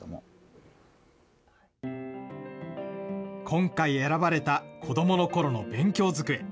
今回、選ばれた子どもの頃の勉強机。